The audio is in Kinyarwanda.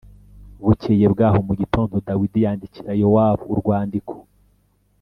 Bukeye bwaho mu gitondo Dawidi yandikira Yowabu urwandiko